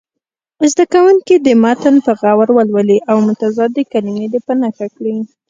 زده کوونکي دې متن په غور ولولي او متضادې کلمې په نښه کړي.